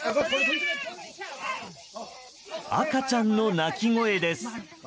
赤ちゃんの泣き声です。